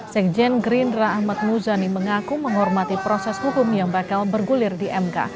sekjen gerindra ahmad muzani mengaku menghormati proses hukum yang bakal bergulir di mk